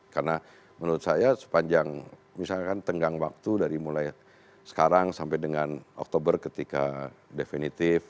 karena menurut saya sepanjang misalkan tenggang waktu dari mulai sekarang sampai dengan oktober ketika definitif